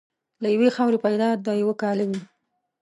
له یوې خاورې پیدا د یوه کاله وې.